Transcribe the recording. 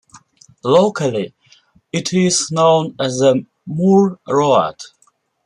Locally it is known as The Moor Road.